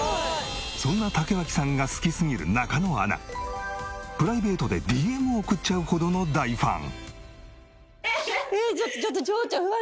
そんな竹脇さんが好きすぎる中野アナプライベートでＤＭを送っちゃうほどの大ファン。